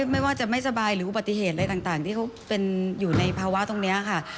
ไม่ว่าจะไม่สบายหรืออุบัติเหตุอะไรต่างที่เขาเป็นอยู่ในภาวะตรงนี้ค่ะ